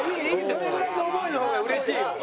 それぐらいの思いの方が嬉しいよ。